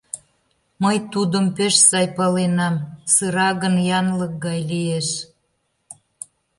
Мый тудым пеш сай паленам: сыра гын, янлык гай лиеш...